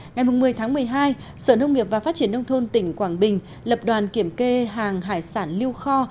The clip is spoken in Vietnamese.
ngày một mươi tháng một mươi hai sở nông nghiệp và phát triển nông thôn tỉnh quảng bình lập đoàn kiểm kê hàng hải sản lưu kho